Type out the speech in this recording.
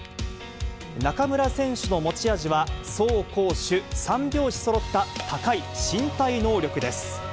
中村選手の持ち味は、走攻守三拍子そろった、高い身体能力です。